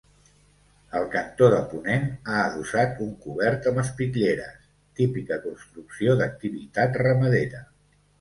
Al cantó de ponent ha adossat un cobert amb espitlleres, típica construcció d'activitat ramadera.